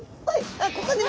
あっここにも。